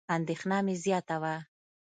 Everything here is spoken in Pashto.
اندېښنه مې زیاته وه.